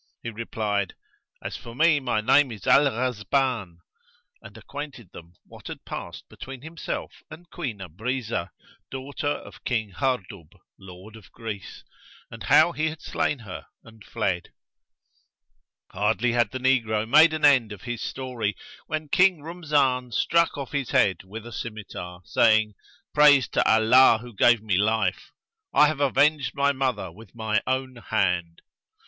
He replied, "As for me my name is Al Ghazbán," and acquainted them what had passed between himself and Queen Abrizah, daughter of King Hardub, Lord of Greece, and how he had slain her and fled. Hardly had the negro made an end of his story, when King Rumzan struck off his head with his scymitar, saying, Praise to Allah who gave me life! I have avenged my mother with my own hand."